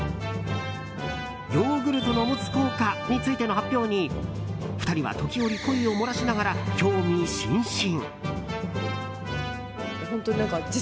ヨーグルトの持つ効果についての発表に２人は時折、声を漏らしながら興味津々。